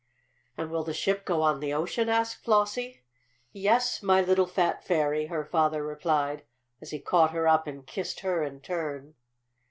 "And will the ship go on the ocean?" asked Flossie. "Yes, my little fat fairy!" her father replied, as he caught her up and kissed her in turn.